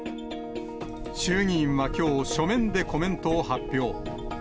衆議院はきょう、書面でコメントを発表。